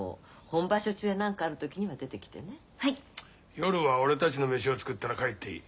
夜は俺たちの飯を作ったら帰っていい。